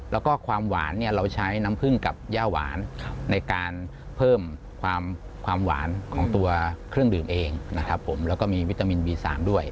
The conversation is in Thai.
แล้วก็ความหวานเนี่ยเราใช้น้ำผึ้งกับย่าหวานในการเพิ่มความความหวานของตัวเครื่องดื่มเองนะครับผมแล้วก็มีวิตามินบี๓ด้วย